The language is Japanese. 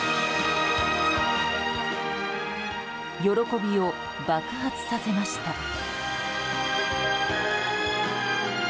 喜びを爆発させました。